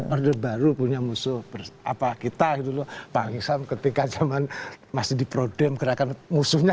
order baru punya musuh apa kita dulu bangsa ketika zaman masih diprodem gerakan musuhnya